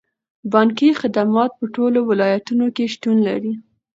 بانکي خدمات په ټولو ولایتونو کې شتون لري.